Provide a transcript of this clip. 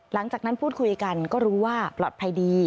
หลังจากนั้นพูดคุยกันก็รู้ว่าปลอดภัยดี